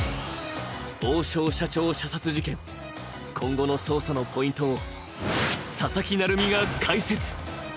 王将社長射殺事件、今後の捜査のポイントを佐々木成三が解説。